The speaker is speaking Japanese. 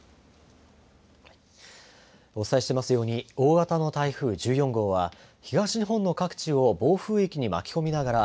お伝えしていますように大型の台風１４号は東日本の各地を暴風域に巻き込みながら